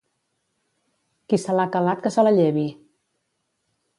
Qui se l'ha calat, que se la llevi!